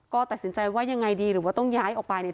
ก็ตัดสินใจว่ายังไงดีหรือว่าต้องย้ายออกไปเนี่ย